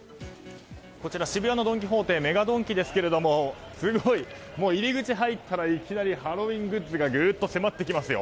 こちら、渋谷のドン・キホーテＭＥＧＡドンキですが入り口入ったらいきなりハロウィーングッズが迫ってきます。